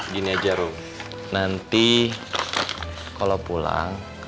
gini aja ruk nanti kalau pulang